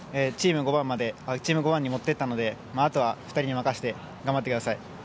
チームを５番に持っていったので後は２人に任せて頑張ってください。